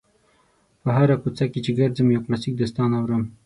په هره کوڅه کې چې ګرځم یو کلاسیک داستان اورم.